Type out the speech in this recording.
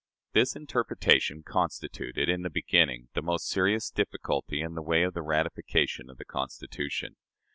This interpretation constituted, in the beginning, the most serious difficulty in the way of the ratification of the Constitution.